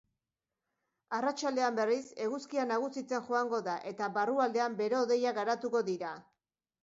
Arratsaldean berriz, eguzkia nagusitzen joango da eta barrualdean bero-hodeiak garatuko dira.